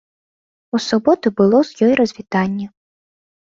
У суботу было з ёй развітанне.